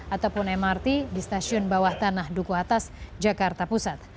ataupun mrt di stasiun bawah tanah duku atas jakarta pusat